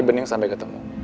bening sampai ketemu